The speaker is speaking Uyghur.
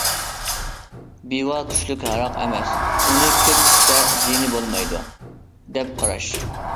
پىۋا كۈچلۈك ھاراق ئەمەس، ئۇنى كۆپ ئىچسە زىيىنى بولمايدۇ، دەپ قاراش.